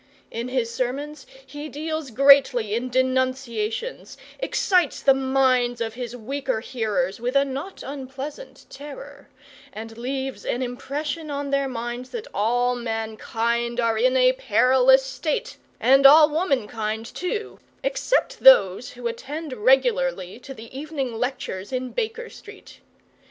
In his sermons he deals greatly in denunciations, excites the minds of his weaker hearers with a not unpleasant terror, and leaves an impression on their minds that all mankind are in a perilous state, and all womankind too, except those who attend regularly to the evening lectures in Baker Street.